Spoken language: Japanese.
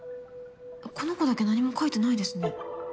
この子だけ何も書いてないですね。